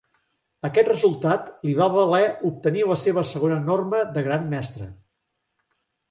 Aquest resultat li va valer obtenir la seva segona norma de Gran Mestre.